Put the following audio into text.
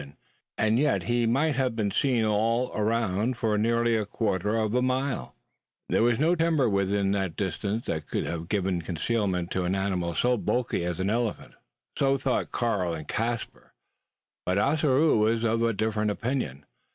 And yet he might have been seen all around for nearly a quarter of a mile's distance. There was no timber within that distance that could have given concealment to an animal so bulky as an elephant? So thought Karl and Caspar; but Ossaroo was of a different opinion.